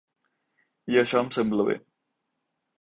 I això em sembla bé.